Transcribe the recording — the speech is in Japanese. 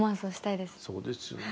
そうですよね。